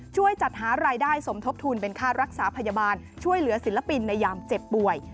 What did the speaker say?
ช่วยจัดหารายได้สมทบทุนเป็นค่ารักษาพยาบาลช่วยเหลือศิลปินในยามเจ็บป่วย